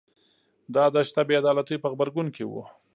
دا د شته بې عدالتیو په غبرګون کې و